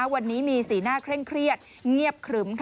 วันนี้มีสีหน้าเคร่งเครียดเงียบครึ้ม